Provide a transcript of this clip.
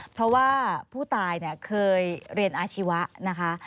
เพราะว่าผู้ตายเคยเรียนอาชีวะนะคะ